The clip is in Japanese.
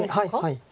はい。